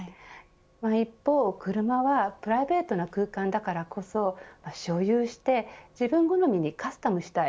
一方、車はプライベートな空間だからこそ所有して自分好みにカスタムしたい。